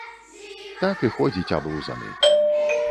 Так і ходзіць аблузаны.